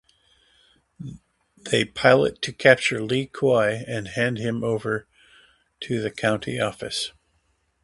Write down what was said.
They plot to capture Li Kui and hand him over to the county office.